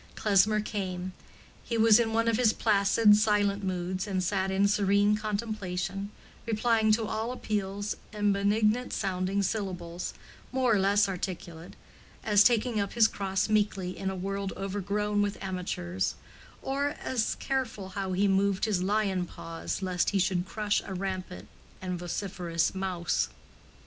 Klesmer came. He was in one of his placid, silent moods, and sat in serene contemplation, replying to all appeals in benignant sounding syllables more or less articulate—as taking up his cross meekly in a world overgrown with amateurs, or as careful how he moved his lion paws lest he should crush a rampant and vociferous mouse.